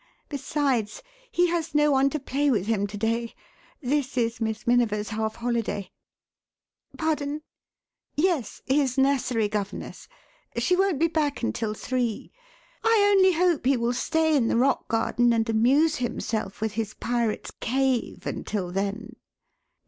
Besides, he has no one to play with him to day. This is Miss Miniver's half holiday. Pardon? Yes his nursery governess. She won't be back until three. I only hope he will stay in the rock garden and amuse himself with his pirates' cave until then."